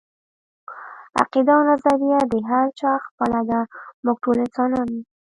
عقیده او نظريه د هر چا خپله ده، موږ ټول انسانان يو